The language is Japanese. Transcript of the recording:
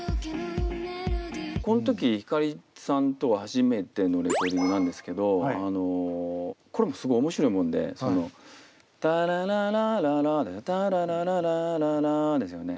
この時ひかりさんとは初めてのレコーディングなんですけどこれもすごい面白いもんで「タラララララタララララララ」ですよね。